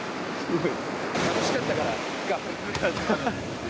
楽しかったからいいか。